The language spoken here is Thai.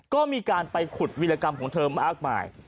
ก็มีการไปขุดวิรกรรมของเธอมามากมาย